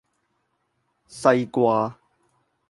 西瓜